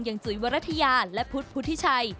อย่างจุยวรษยาและพุทธพุทธิชัย